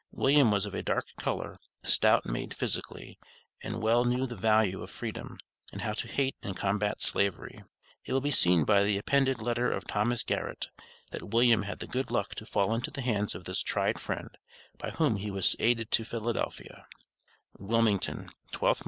William was of a dark color, stout made physically, and well knew the value of Freedom, and how to hate and combat Slavery. It will be seen by the appended letter of Thomas Garrett, that William had the good luck to fall into the hands of this tried friend, by whom he was aided to Philadelphia: WILMINGTON, 12th mo.